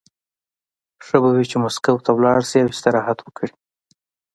ښه به وي چې مسکو ته لاړ شي او استراحت وکړي